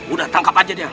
udah tangkap aja dia